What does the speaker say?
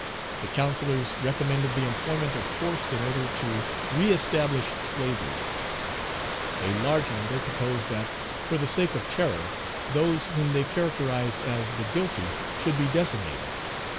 The councillors recommended the employment of force in order to reëstablish slavery; a large number proposed that, for the sake of terror, those whom they characterized as "the guilty" should be decimated.